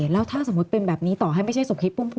แล้วถ้าสมมุติเป็นแบบนี้ต่อให้ไม่ใช่สมคิดพุ่มพวง